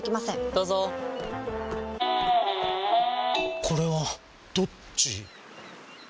どうぞこれはどっち？